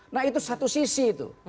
nah itu satu sisi itu